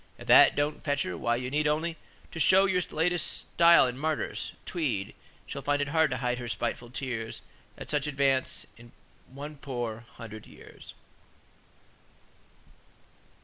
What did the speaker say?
If that don't fetch her, why, you need only To show your latest style in martyrs, Tweed: She'll find it hard to hide her spiteful tears At such advance in one poor hundred years."